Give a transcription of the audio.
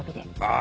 あ！